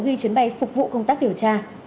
ghi chuyến bay phục vụ công tác điều tra